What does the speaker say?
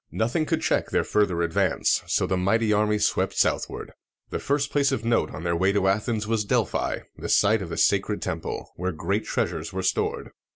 Nothing could check their further advance, so the mighty army swept southward. The first place of note on their way to Athens was Delphi, the site of the sacred temple, where great treasures were stored.